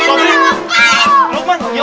sobri mau lukman mana